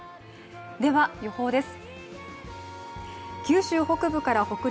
では予報です。